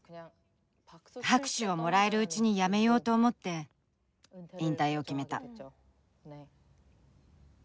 拍手をもらえるうちにやめようと思って引退を決めた。